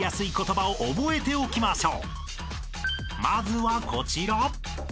［まずはこちら］